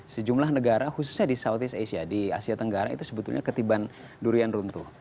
sejumlah negara khususnya di southeast asia di asia tenggara itu sebetulnya ketiban durian runtuh